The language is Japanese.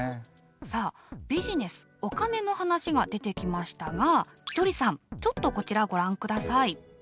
さあビジネスお金の話が出てきましたがひとりさんちょっとこちらご覧ください。